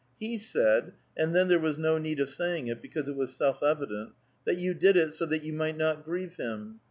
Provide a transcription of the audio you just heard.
He said — and then there was no need of saying it, because it was self evident — that you did it, so that you might not grieve him.